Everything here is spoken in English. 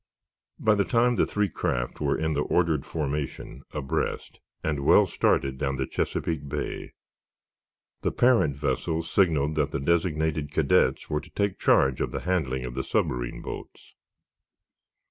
By the time that the three craft were in the ordered formation, abreast, and well started down Chesapeake Bay, the parent vessel signaled that the designated cadets were to take charge of the handling of the submarine boats.